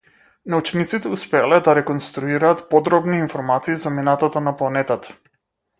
Научниците успеале да реконструираат подробни информации за минатото на планетата.